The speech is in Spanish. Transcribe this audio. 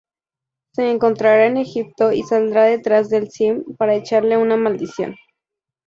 Se encontrará en Egipto y saldrá detrás del Sim para echarle una maldición.